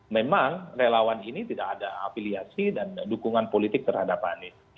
memang relawan ini tidak ada afiliasi dan dukungan politik terhadap anies